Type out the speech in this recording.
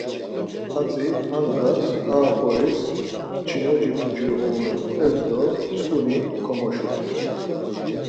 Hatzi ar ndğs ar oxoris, mçinoci puci uonut̆es do tzǩu-ni komoşuxtu.